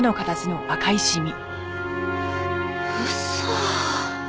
嘘。